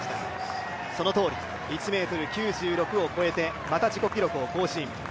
そのとおり、１ｍ９６を越えてまた自己記録を更新。